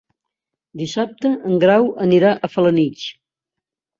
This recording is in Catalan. Dissabte en Guerau anirà a Felanitx.